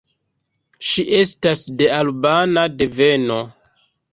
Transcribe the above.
Ŝi estas de albana deveno.